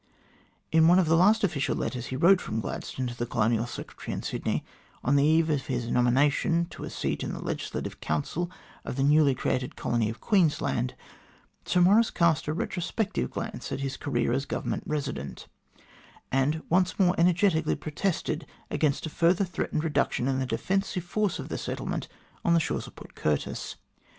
In one of the last official letters he wrote from Gladstone to the Colonial Secretary in Sydney, on the eve of his nomination to a seat in the Legislative Council of the newly created colony of Queensland, Sir Maurice cast a retro spective glance at his career as Government Eesident, and once more energetically protested against a further threatened reduction in the defensive force of the settlement on the shores of Port Curtis.